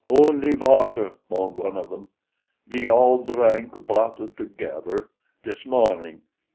"Only water," moaned one of them. "We all drank water together this morning.